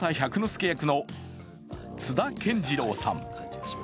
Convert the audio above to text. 助役の津田健次郎さん。